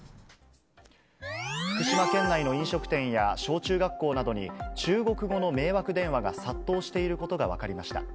福島県内の飲食店や小中学校などに、中国語の迷惑電話が殺到していることが分かりました。